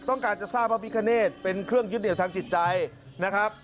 ต้องการจะทราบพระพิคเนธเป็นเครื่องยึดเหนียวทางจิตใจนะครับ